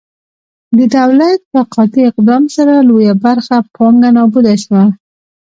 د دولت په قاطع اقدام سره لویه برخه پانګه نابوده شوه.